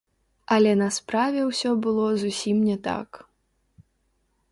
Але на справе ўсё было зусім не так.